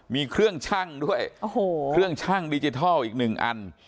มีเครื่องชั่งด้วยโอ้โหเครื่องชั่งดิจิทัลอีกหนึ่งอัน